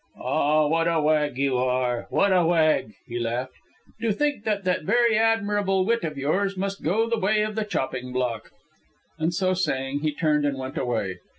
"Ah, what a wag you are, what a wag," he laughed. "To think that that very admirable wit of yours must go the way of the chopping block!" And so saying, he turned and went away.